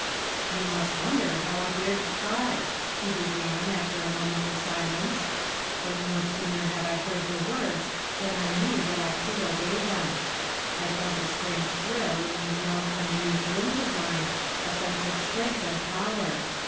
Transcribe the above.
" You must wonder how I dared to try," he began, after a moment of silence ;" but no sooner had I heard the words than I knew that I could obey them. I felt a strange thrill in these long unused limbs of mine, a sense of strength and power.